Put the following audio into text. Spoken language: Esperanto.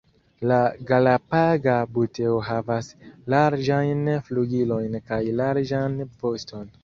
La Galapaga buteo havas larĝajn flugilojn kaj larĝan voston.